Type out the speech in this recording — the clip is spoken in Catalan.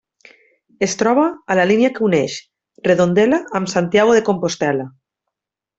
Es troba a la línia que uneix Redondela amb Santiago de Compostel·la.